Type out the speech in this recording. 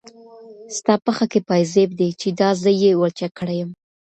ستا پښه كي پايزيب دی چي دا زه يې ولچك كړی يم